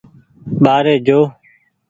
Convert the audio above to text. ٻآري جو۔